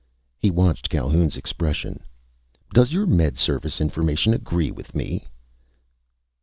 He watched Calhoun's expression. "Does your Med Service information agree with me?"